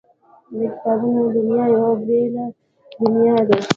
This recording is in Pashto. د کتابونو دنیا یوه بېله دنیا ده